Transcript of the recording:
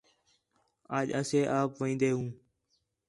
اَڄ اَسے آپ وین٘دے ہوں